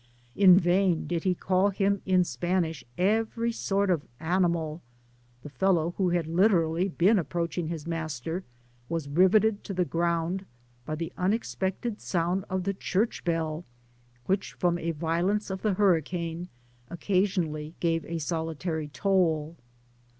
In vain did he call him in Spanish every sort of " animal :" the fellow, who had been approaching his master, was riveted to the ground by the unexpected sound of the church bell, which, from the violence of the hurricane, occasionally gave a solitary toll.